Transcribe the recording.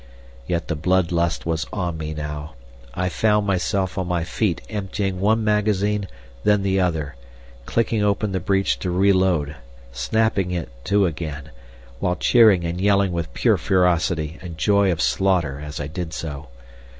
Yet the blood lust was on me now. I found myself on my feet emptying one magazine, then the other, clicking open the breech to re load, snapping it to again, while cheering and yelling with pure ferocity and joy of slaughter as I did so.